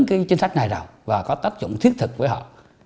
cái chính sách này rồi và có tác dụng thiết thực với họ